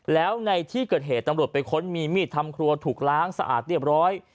แล้วในที่เกิดเหตุตำรวจไปค้นมีมีดทำครัวถูกล้างสะอาดเรียบร้อย